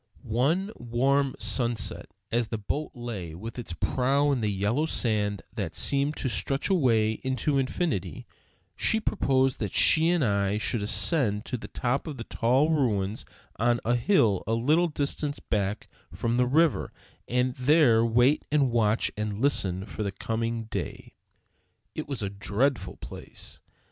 One warm sunset, as the boat lay with its prow in the yellow sand that seemed to stretch away into infinity, she proposed that she and I should ascend to the top of the tall ruins on a hill a little distance back from the river, and there wait and watch and listen for the coming day. It was a dreadful place.